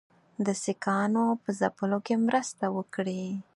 د سیکهانو په ځپلو کې مرسته وکړي.